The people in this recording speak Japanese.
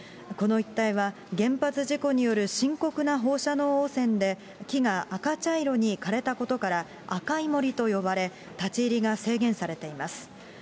この一帯は、原発事故による深刻な放射能汚染で、木が赤茶色に枯れたことから、赤い森と呼ばれ、立ち入りが制限されています。